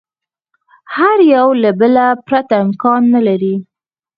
هر یوه له بله پرته امکان نه لري.